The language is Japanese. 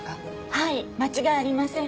はい間違いありません。